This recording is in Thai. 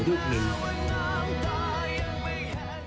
หรือแม่ของเผ่าด้วย